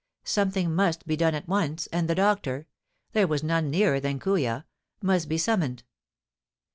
Something must be done at once, and the doctor — there was none nearer than Kooya — must be summoned.